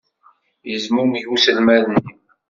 Yezmumeg uselmad-nni.